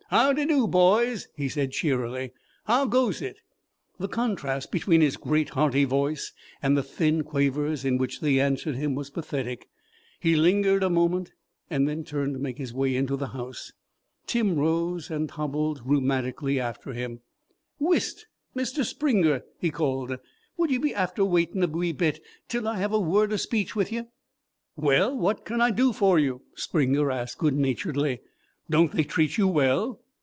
"How d' do, boys?" he said cheerily. "How goes it?" The contrast between his great hearty voice and the thin quavers in which they answered him was pathetic. He lingered a moment, and then turned to make his way into the house. Tim rose and hobbled rheumatically after him. "Whist, Mister Springer," he called; "would ye be after waiting a wee bit till I have a word of speech with yer." "Well, what can I do for you?" Springer asked good naturedly. "Don't they treat you well?"